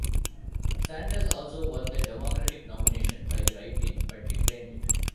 Sanders also won the Democratic nomination by write-in, but declined it.